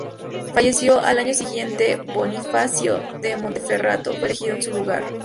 Fallecido al año siguiente, Bonifacio de Montferrato fue elegido en su lugar.